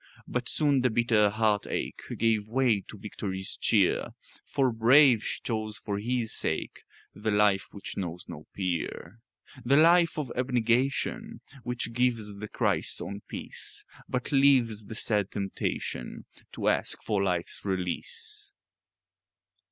But soon the bitter heart ache Gave way to victory's cheer; For, brave, she chose for His sake The life which knows no peer; The life of abnegation Which gives the Christ's own peace, But leaves the sad temptation To ask for life's release.